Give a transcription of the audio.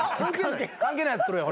関係ないやつ来るよ。